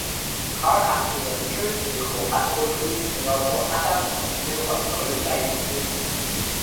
卡尔卡斯闻之即和盘托出并要求阿伽门侬归还克律塞伊斯。